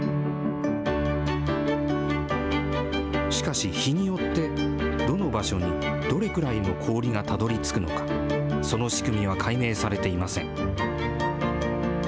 しかし、日によって、どの場所に、どれくらいの氷がたどりつくのか、その仕組みは解明されていません。